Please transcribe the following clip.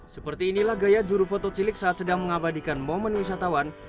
seperti inilah gaya juru foto cilik saat sedang mengabadikan momen wisatawan